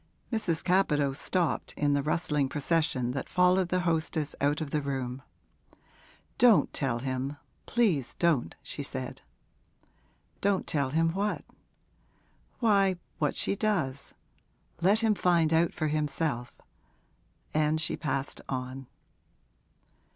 Mrs. Capadose stopped, in the rustling procession that followed the hostess out of the room. 'Don't tell him, please don't,' she said. 'Don't tell him what?' 'Why, what she does. Let him find out for himself.' And she passed on.